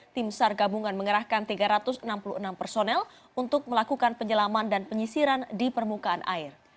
tim sar gabungan mengerahkan tiga ratus enam puluh enam personel untuk melakukan penyelaman dan penyisiran di permukaan air